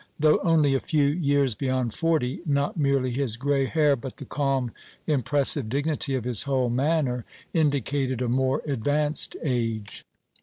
Though only a few years beyond forty, not merely his grey hair but the calm, impressive dignity of his whole manner indicated a more advanced age.